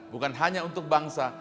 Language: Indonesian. bukan hanya untuk bangsa